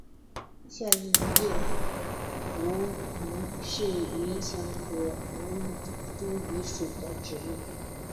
三刈叶吴萸是芸香科吴茱萸属的植物。